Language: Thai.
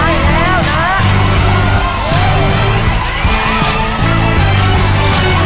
พิมพ์พิมพ์มาช่วยหน่อยก็ได้นะ